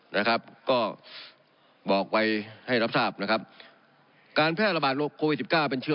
นะครับก็บอกไว้ให้รับทราบนะครับการแพร่ระบาดโควิดสิบเก้าเป็นเชื้อ